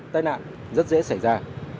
tài nạn rất dễ xảy ra